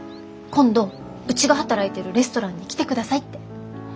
「今度うちが働いてるレストランに来てください」って。